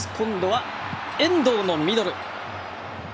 今度は遠藤のミドル。